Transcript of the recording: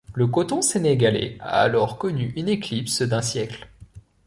Le coton sénégalais a alors connu une éclipse d’un siècle.